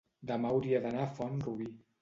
demà hauria d'anar a Font-rubí.